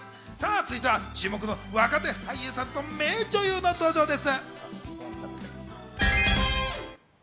続いては注目の若手俳優さんと名女優の登場です。